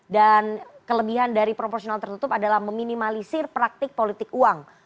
dan kelebihan dari proporsional tertutup adalah meminimalisir praktik politik uang